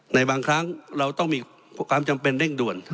ในบางครั้งเราต้องมีความจำเป็นเร่งด่วน